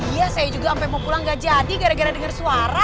iya saya juga sampai mau pulang gak jadi gara gara dengar suara